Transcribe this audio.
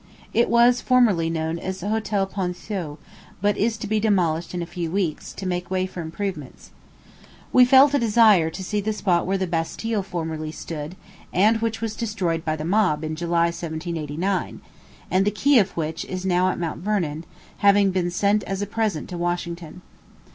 It was formerly known as the Hotel Ponthieu, but is to be demolished in a few weeks, to make way for improvements. We felt a desire to see the spot where the Bastile formerly stood, and which was destroyed by the mob in July, 1789, and the key of which is now at Mount Vernon, having been sent as a present to Washington.